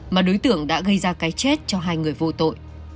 mà đối tượng đã gây ra cái chết cho hai người vô tội